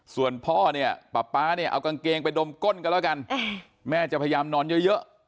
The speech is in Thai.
ส่วนพ่อเนี่ยป๊าป๊าเนี่ยเอากางเกงไปดมก้นกันแล้วกันแม่จะพยายามนอนเยอะ